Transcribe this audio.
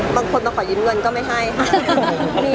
บางคนมาขอยืมเงินก็ไม่ให้ค่ะ